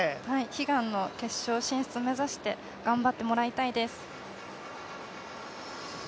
悲願の決勝進出を目指して頑張ってもらいたいです。